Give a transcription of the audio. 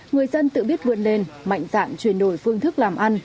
người dân tự biết vươn lên mạnh dạn chuyển đổi phương thức làm ăn